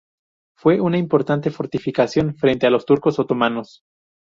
Fue una importante fortificación frente a los turcos otomanos.